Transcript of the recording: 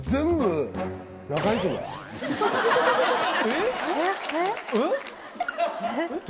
えっ？